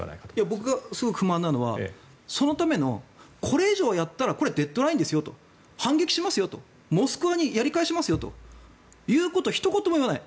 僕がすごく不満なのはそのために、これ以上やったらこれ、デッドラインですよと反撃しますよとモスクワにやり返しますよということをひと言も言わない。